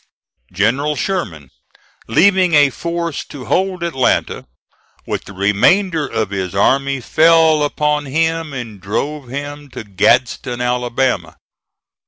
General Sherman, leaving a force to hold Atlanta, with the remainder of his army fell upon him and drove him to Gadsden, Alabama.